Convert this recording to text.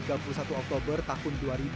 satu oktober tahun dua ribu